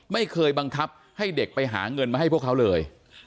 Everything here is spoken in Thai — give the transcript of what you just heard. ไม่เคยบังคับให้เด็กไปหาเงินมาให้พวกเขาเลย